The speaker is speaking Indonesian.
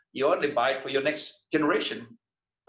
anda hanya membelinya untuk generasi berikutnya